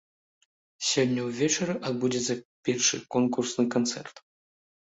Сёння ўвечары адбудзецца першы конкурсны канцэрт.